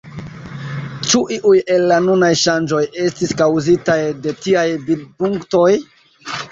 Ĉu iuj el la nunaj ŝanĝoj estis kaŭzitaj de tiaj vidpunktoj?